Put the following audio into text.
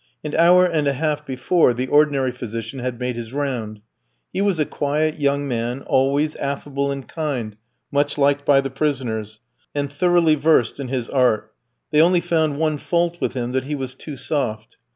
An hour and a half before, the ordinary physician had made his round. He was a quiet young man, always affable and kind, much liked by the prisoners, and thoroughly versed in his art; they only found one fault with him, that he was "too soft."